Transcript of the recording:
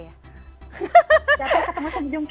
saya pernah ketemu seonjunggi